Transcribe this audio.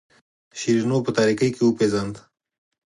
شیرینو په تاریکۍ کې وپیژاند.